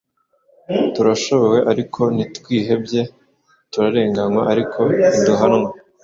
turashobewe ariko ntitwihebye; turarenganywa ariko ntiduhanwa